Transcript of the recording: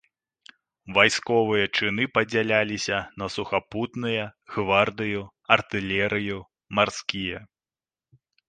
Вайсковыя чыны падзяляліся на сухапутныя, гвардыю, артылерыю, марскія.